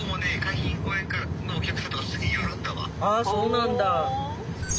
あっそうなんだ。